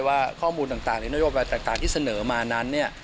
ว่าข้อมูลต่างหรือนโยบายต่างที่เสนอมานั้นเนี่ย